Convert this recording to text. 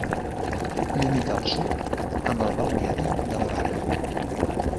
Limita al sud amb el balneari de La Barra.